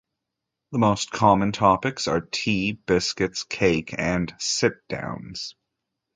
The most common topics are tea, biscuits, cake and "sit downs".